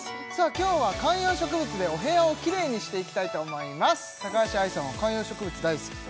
今日は観葉植物でお部屋をキレイにしていきたいと思います高橋愛さんは観葉植物大好きと？